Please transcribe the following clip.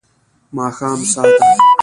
ماښام ساه ته